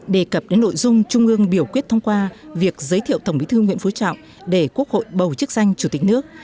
đề cập đến nội dung trung ương biểu quyết thông qua việc giới thiệu tổng bí thư nguyễn phú trọng để quốc hội bầu chức danh chủ tịch nước